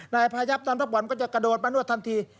นายพายับตอนรับบอลก็จะกระโดดมานวดทันที